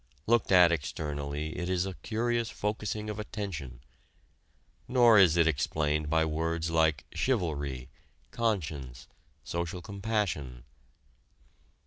Looked at externally it is a curious focusing of attention. Nor is it explained by words like "chivalry," "conscience," "social compassion."